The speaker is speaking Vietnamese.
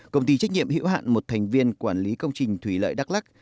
công ty trách nhiệm hữu hạn một thành viên quản lý công trình thủy lợi đắk lắc